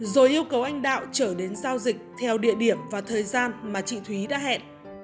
rồi yêu cầu anh đạo trở đến giao dịch theo địa điểm và thời gian mà chị thúy đã hẹn